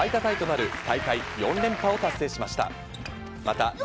タイとなる、大会４連覇を達成しました。